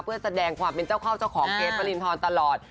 เพื่อแสดงความเป็นเจ้าเข้าเจ้าของเกรทวรินทรตลอด